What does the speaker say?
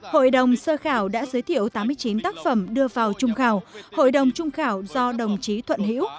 hội đồng sơ khảo đã giới thiệu tám mươi chín tác phẩm đưa vào trung khảo hội đồng trung khảo do đồng chí thuận hữu